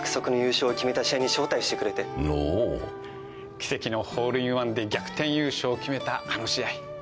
奇跡のホールインワンで逆転優勝を決めたあの試合。